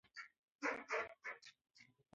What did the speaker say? لفظي ژباړه اکثره مانا ګډوډوي.